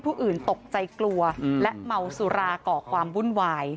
อื่นตกใจกลัวและเมาสุราก่อความวุ่นวาย